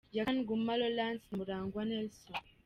Yakan Guma Laurence na Murangwa Nelson.